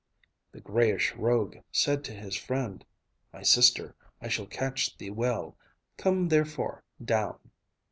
The greyish rogue said to his friend, "My sister, I shall catch thee well. Come therefore down."